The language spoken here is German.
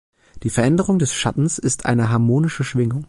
Die Veränderung des Schattens ist eine harmonische Schwingung.